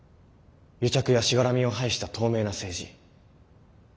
癒着やしがらみを排した透明な政治。